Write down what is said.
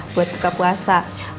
buat buka puasa